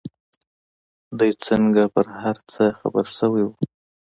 دى څنگه پر هر څه خبر سوى و.